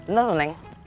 bener tuh neng